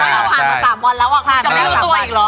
แต่สามวันแล้วอ่ะคุณจะไม่รู้ตัวอีกหรอ